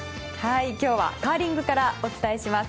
今日はカーリングからお伝えします。